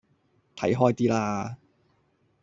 睇開啲啦